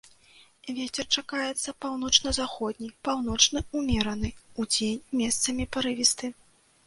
Вецер чакаецца паўночна-заходні, паўночны ўмераны, удзень месцамі парывісты.